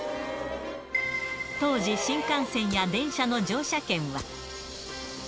当時、新幹線や電車の乗車券は。